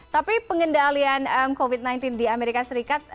tapi pengendalian covid sembilan belas di amerika serikat